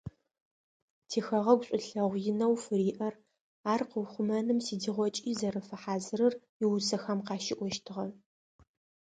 Тихэгъэгу шӏулъэгъу инэу фыриӏэр, ар къыухъумэным сыдигъокӏи зэрэфэхьазырыр иусэхэм къащиӏощтыгъэ.